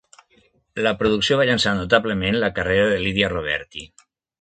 La producció va llançar notablement la carrera de Lyda Roberti.